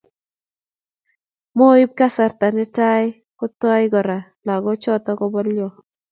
Moib kasarta netia kotoi Kora lagochoto kobolyo